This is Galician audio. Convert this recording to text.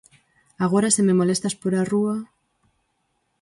Agora, se me molestas pola rúa...